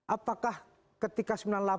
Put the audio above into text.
apakah ketika sembilan puluh delapan